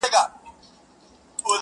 خداى دي ساته له بــېـلــتــــونـــــه.